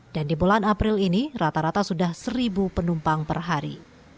dan di bulan april ini rata rata sudah satu penumpang per hari